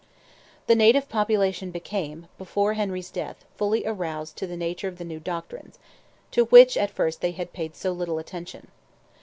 The native population became, before Henry's death, fully aroused to the nature of the new doctrines, to which at first they had paid so little attention.